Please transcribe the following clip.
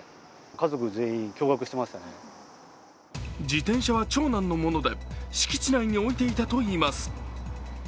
自転車は長男のもので敷地内に置いていたといいます。